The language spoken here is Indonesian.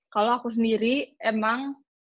kalo aku sendiri emang